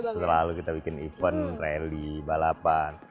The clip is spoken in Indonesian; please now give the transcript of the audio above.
setelah lalu kita bikin event rally balapan